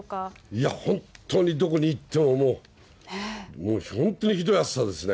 いや、本当にどこに行っても、もう本当にひどい暑さですね。